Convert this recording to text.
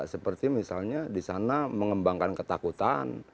seperti misalnya disana mengembangkan ketakutan